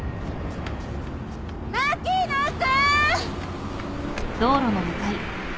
牧野君！